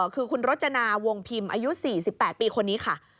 คือคุณรจนาวงพิมพ์อายุ๔๘ปีคนนี้ค่ะ